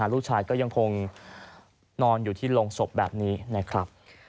ลูกชายก็ยังคงนอนอยู่ที่โรงศพแบบนี้นะครับ